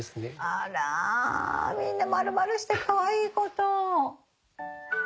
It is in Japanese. あらみんな丸々してかわいいこと。